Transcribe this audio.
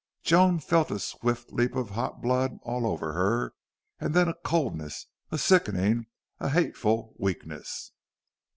Joan felt a swift leap of hot blood all over her and then a coldness, a sickening, a hateful weakness.